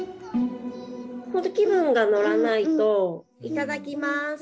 ほんと気分が乗らないと「いただきます」